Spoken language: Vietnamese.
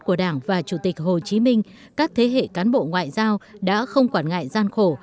của đảng và chủ tịch hồ chí minh các thế hệ cán bộ ngoại giao đã không quản ngại gian khổ